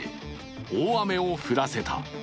大雨を降らせた。